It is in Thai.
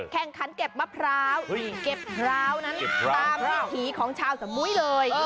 แข่งขันเก็บมะพร้าวเก็บพร้าวนั้นตามวิถีของชาวสมุยเลย